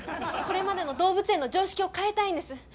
これまでの動物園の常識を変えたいんです。